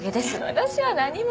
私は何も。